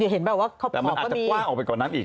เห็นไหมว่าเขาขอบก็มีมันอาจจะกว้าออกไปก่อนนั้นอีก